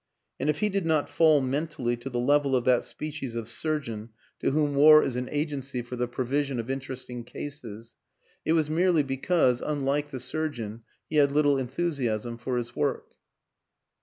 And if he did not fall mentally to the level of that species of surgeon to whom war is WILLIAM AN ENGLISHMAN 253 an agency for the provision of interesting cases, it was merely because, unlike the surgeon, he had little enthusiasm for his work.